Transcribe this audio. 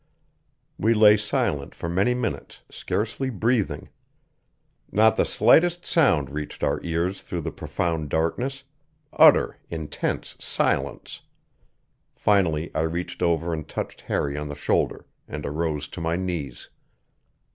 We lay silent for many minutes, scarcely breathing. Not the slightest sound reached our ears through the profound darkness; utter, intense silence. Finally I reached over and touched Harry on the shoulder, and arose to my knees.